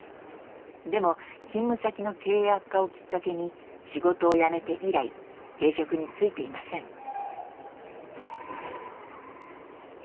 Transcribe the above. でも勤務先の経営悪化をきっかけに仕事を辞めて以来定職に就いていません。